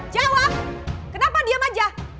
jawab kenapa dia maja